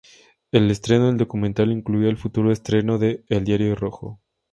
El estreno del documental incluía el futuro estreno de "El diario rojo".